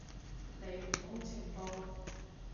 嚟互通情報